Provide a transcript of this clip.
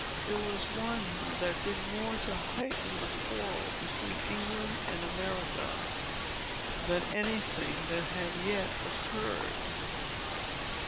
It was one that did more to heighten the quarrel between England and America, than any thing that had yet occurred.